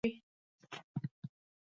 معلومه ده چې کارګران دا کار ترسره کوي